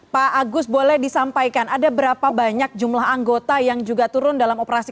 pak agus boleh disampaikan ada berapa banyak jumlah anggota yang juga turun dalam operasi